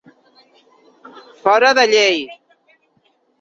Fora de llei.